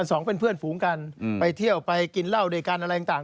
สองเป็นเพื่อนฝูงกันไปเที่ยวไปกินเหล้าด้วยกันอะไรต่าง